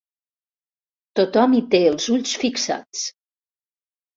Tothom hi té els ulls fixats.